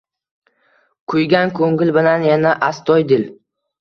Kuygan ko‘ngil bilan yana astoydil